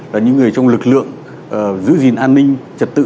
là những người trong lực lượng giữ gìn an ninh trật tự